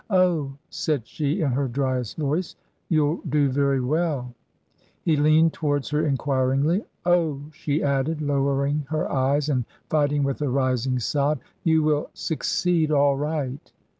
"Oh," said she in her driest voice, "you'll do very well !" He leaned towards her enquiringly. " Oh,'* she added, lowering her eyes and fighting with a rising sob, " you will — succeed all right."